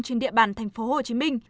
trên địa bàn tp hcm